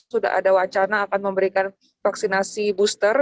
sudah ada wacana akan memberikan vaksinasi booster